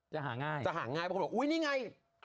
จะหาง่ายเพราะคุณบอกอุ้ยนี่ไง